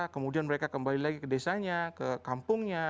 kemudian mereka kembali lagi ke desanya ke kampungnya